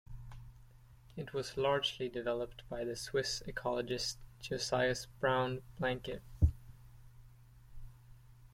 It was largely developed by the Swiss ecologist Josias Braun-Blanquet.